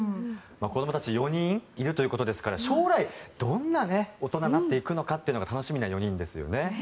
子どもたち４人いるということですから将来どんな大人になっていくのかが楽しみな４人ですよね。